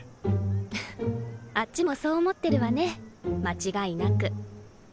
フッあっちもそう思ってるわね間違いなく。